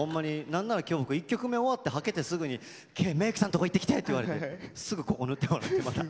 何なら今日僕１曲目終わってはけてすぐに「メークさんのとこ行ってきて！」って言われてすぐここ塗ってもらってまた。